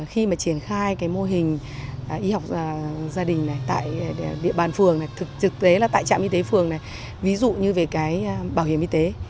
khi mà triển khai cái mô hình y học gia đình này tại địa bàn phường này thực tế là tại trạm y tế phường này ví dụ như về cái bảo hiểm y tế